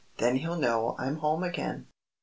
Then he'll know I'm home again."